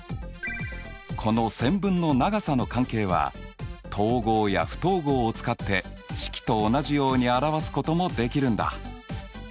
この線分の長さの関係は等号や不等号を使って式と同じように表すこともできるんだ。